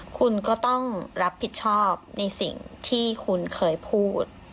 คุณก็ต้องรับผิดชอบในสิ่งที่คุณเคยพูด